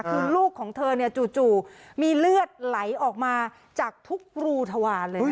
คือลูกของเธอเนี่ยจู่มีเลือดไหลออกมาจากทุกรูทวารเลย